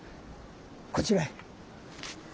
こちらへ。